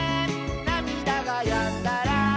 「なみだがやんだら」